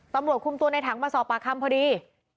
ตำรวจคุมตัวในถังมาสอบปากคำพอดี